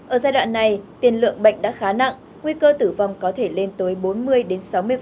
ở giai đoạn này tiền lượng bệnh đã khá nặng nguy cơ tử vong có thể lên tới bốn mươi đến sáu mươi